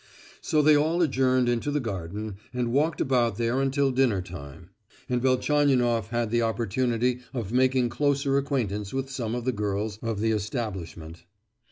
So they all adjourned into the garden, and walked about there until dinner time; and Velchaninoff had the opportunity of making closer acquaintance with some of the girls of the establishment.